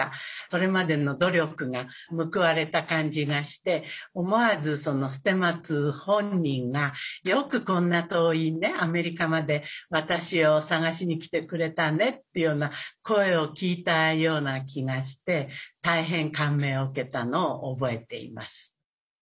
それまでの努力が報われた感じがして思わず捨松本人が「よくこんな遠いアメリカまで私を探しに来てくれたね」っていうような声を聞いたような気がして大変感銘を受けたのを覚えています。